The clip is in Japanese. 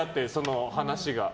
話が。